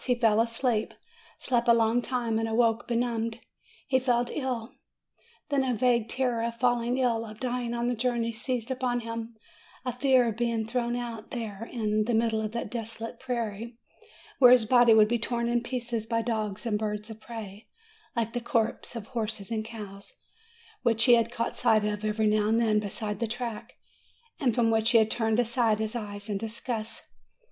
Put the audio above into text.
He fell asleep, slept a long time, and awoke benumbed. He felt ill. Then a vague terror of falling ill, of dying on the journey, seized upon him; a fear of being thrown out there, in 274 MAY the middle of that desolate prairie, where his body would be torn in pieces by dogs and birds of prey, like the corpses of horses and cows which he had caught sight of every now and then beside the track, and from which he had turned aside his eyes in disgust.